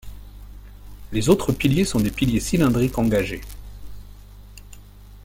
Les autres piliers sont des piliers cylindriques engagés.